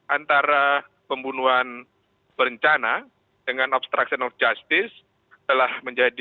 antara pembunuhan perencanaan dengan obstruction of justice